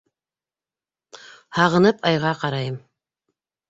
Һағынып айға ҡарайым